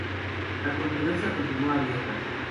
La controversia continúa abierta.